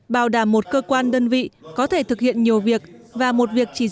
bảo đảm một cơ quan đơn vị có thể thực hiện nhiều việc và một việc chỉ giao trị